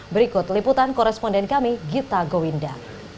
berikut liputan koresponden kami gita gowinda